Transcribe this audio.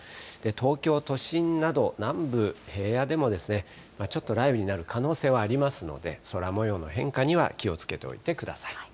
東京都心など、南部平野でもちょっと雷雨になる可能性はありますので、空もようの変化には気をつけておいてください。